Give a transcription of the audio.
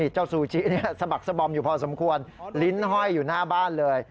ซูจิสะบักสบอมอยู่พอสมควรลิ้นห้อยอยู่หน้าบ้านเลย